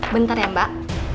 bentar ya mbak